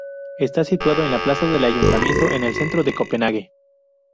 Está situado en la plaza del Ayuntamiento, en el centro de Copenhague.